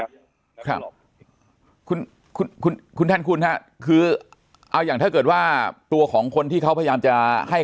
ครับคุณคุณแทนคุณฮะคือเอาอย่างถ้าเกิดว่าตัวของคนที่เขาพยายามจะให้